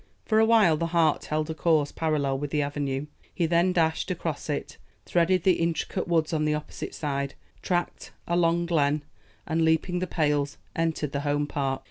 For a while the hart held a course parallel with the avenue; he then dashed across it, threaded the intricate woods on the opposite side, tracked a long glen, and leaping the pales, entered the home park.